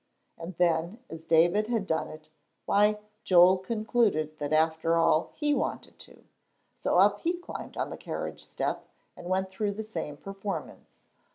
And then, as David had done it, why, Joel concluded that after all he wanted to. So up he climbed on the carriage step, and went through the same performance.